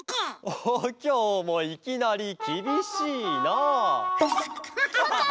おおきょうもいきなりきびしいな。